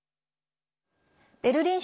ベルリン